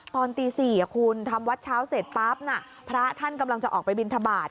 ตอนตี๔คุณทำวัดเช้าเสร็จปั๊บน่ะพระท่านกำลังจะออกไปบินทบาท